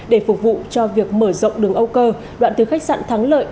để phục vụ cho việc mở rộng đường âu cơ đoạn từ khách sạn thắng lợi